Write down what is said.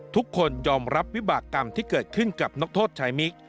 ทุกคนยอมรับวิบากรรมที่เกิดขึ้นกับนักโทษชายมิค